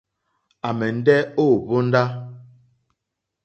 À mɛ̀ndɛ́ ô hwóndá.